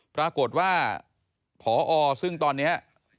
ปรากฏว่าพอซึ่งตอนนี้